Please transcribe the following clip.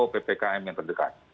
kepada posko ppkm yang terdekat